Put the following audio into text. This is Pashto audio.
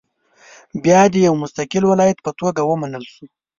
بیا د یو مستقل ولایت په توګه ومنل شول.